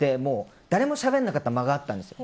誰もしゃべらなかった間があったんですよ。